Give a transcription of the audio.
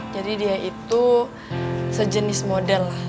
jadi dia itu sejenis model lah